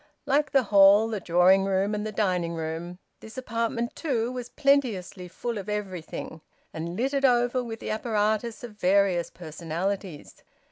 Like the hall, the drawing room, and the dining room, this apartment too was plenteously full of everything, and littered over with the apparatus of various personalities.